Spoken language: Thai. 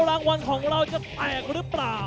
รางวัลของเราจะแตกหรือเปล่า